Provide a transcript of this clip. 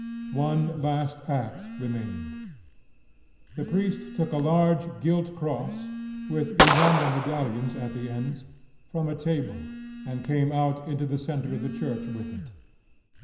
One last act remained. The priest took a large, gilt cross, with enamel medallions at the ends, from a table, and came out into the centre of the church with it.